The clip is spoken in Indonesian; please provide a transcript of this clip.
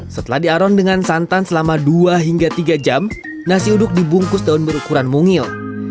setelah diaron dengan santan selama dua hingga tiga jam nasi uduk dibungkus daun berukuran mungil